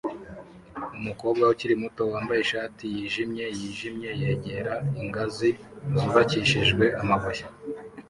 Umukobwa ukiri muto wambaye ishati yijimye yijimye yegera ingazi zubakishijwe amabuye